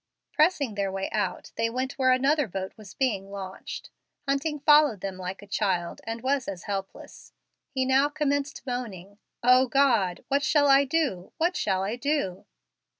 Pressing their way out they went where another boat was being launched. Hunting followed them like a child, and was as helpless. He now commenced moaning, "O God! what shall I do? what shall I do?"